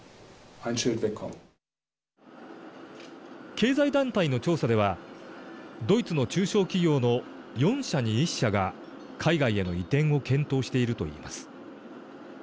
経済団体の調査ではドイツの中小企業の４社に１社が海外への移転を検討していると言います。